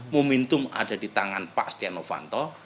momentum ada di tangan pak stianovanto